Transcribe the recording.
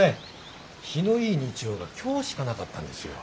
日のいい日曜が今日しかなかったんですよ。